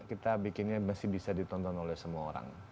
kita bikinnya masih bisa ditonton oleh semua orang